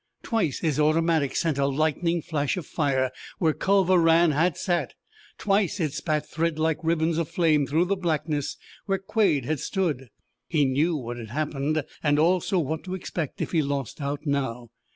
Twice his automatic sent a lightning flash of fire where Culver Rann had sat; twice it spat threadlike ribbons of flame through the blackness where Quade had stood. He knew what had happened, and also what to expect if he lost out now.